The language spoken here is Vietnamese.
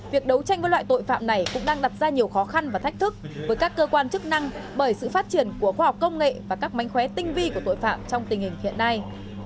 việc đấu tranh với loại tội phạm này cũng đang đặt ra nhiều khó khăn và thách thức với các cơ quan chức năng bởi sự phát triển của khoa học công nghệ và các mánh khóe tinh vi của tội phạm trong tình hình hiện nay